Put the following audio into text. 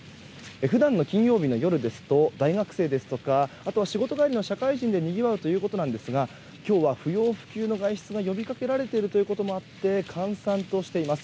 普段の金曜日の夜ですと大学生ですとかあとは仕事帰りの社会人でにぎわうということなんですが今日は不要不急の外出が呼びかけられているということもあり閑散としています。